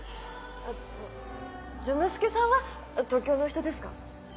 あ淳之介さんは東京の人ですか？